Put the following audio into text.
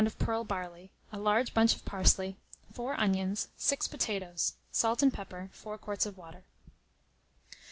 of pearl barley, a large bunch of parsley, 4 onions, 6 potatoes, salt and pepper, 4 quarts of water.